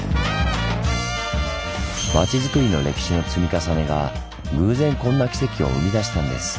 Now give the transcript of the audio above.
町づくりの歴史の積み重ねが偶然こんな奇跡を生み出したんです。